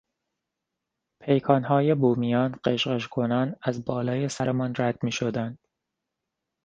پیکانهای بومیان غژغژ کنان از بالای سرمان رد میشدند.